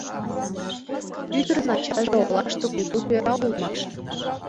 Ӱдырын ачаже олаште кугу тӧра улмаш.